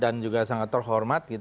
dan juga sangat terhormat